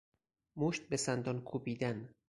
مشت به سندان کوبیدن